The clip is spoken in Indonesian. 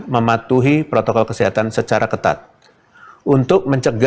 memalukan kebijakan unik